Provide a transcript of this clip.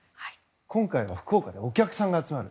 今回は福岡でお客さんが集まる。